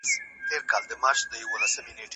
هغوی به خپلو نیوکو ته دوام ورکوي.